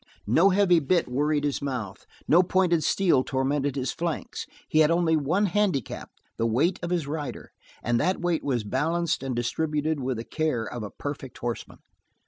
No heavy bit worried his mouth, no pointed steel tormented his flanks. He had only one handicap the weight of his rider, and that weight was balanced and distributed with the care of a perfect horseman.